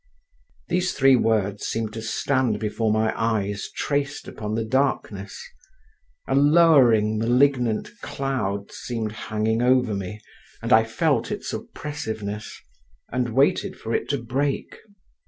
These three words seemed to stand before my eyes traced upon the darkness; a lowering malignant cloud seemed hanging over me, and I felt its oppressiveness, and waited for it to break.